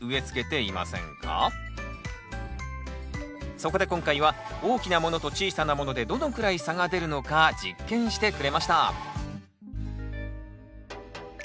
そこで今回は大きなものと小さなものでどのくらい差が出るのか実験してくれました